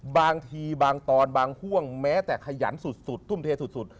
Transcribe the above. บางทีบางตอนบางห่วงแม้แต่ขยันสุดทุ่มเทสุด